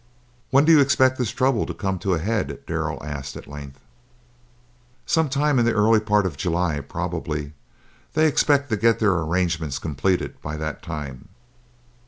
"When do you expect this trouble to come to a head?" Darrell asked at length. "Some time in the early part of July, probably; they expect to get their arrangements completed by that time."